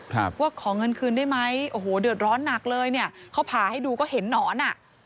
ครับว่าขอเงินคืนได้ไหมโอ้โหเดือดร้อนหนักเลยเนี่ยเขาผ่าให้ดูก็เห็นหนอนอ่ะ